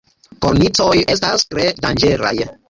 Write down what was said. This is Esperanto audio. Kornicoj estas tre danĝeraj.